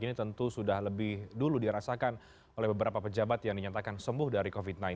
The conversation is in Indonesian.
ini tentu sudah lebih dulu dirasakan oleh beberapa pejabat yang dinyatakan sembuh dari covid sembilan belas